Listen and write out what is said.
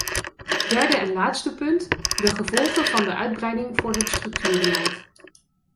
Derde en laatste punt: de gevolgen van de uitbreiding voor het structuurbeleid.